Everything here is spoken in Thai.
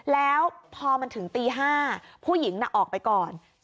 แล้วพอมันถึงตี๕ผู้หญิงออกไปก่อน